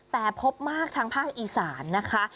แต่พบมากทางภาคอีสานนะคะ